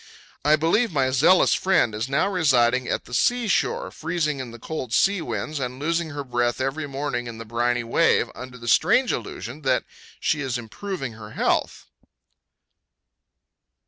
I believe my zealous friend is now residing at the sea shore, freezing in the cold sea winds, and losing her breath every morning in the briny wave, under the strange illusion that she is improving her health.